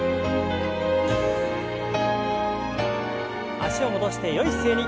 脚を戻してよい姿勢に。